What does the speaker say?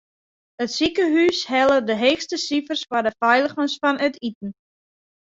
It sikehús helle de heechste sifers foar de feiligens fan iten.